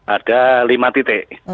ada lima titik